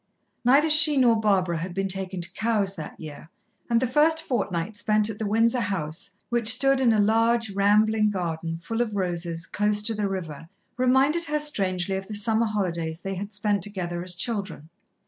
Neither she nor Barbara had been taken to Cowes that year, and the first fortnight spent at the Windsor house, which stood in a large, rambling garden, full of roses, close to the river, reminded her strangely of the summer holidays they had spent together as children.